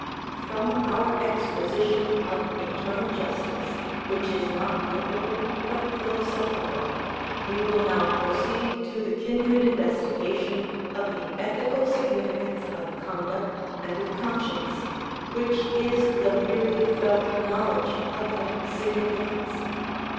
From our exposition of eternal justice, which is not mythical but philosophical, we will now proceed to the kindred investigation of the ethical significance of conduct and of conscience, which is the merely felt knowledge of that significance.